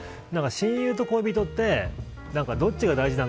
親友と恋人ってどっちが大事だ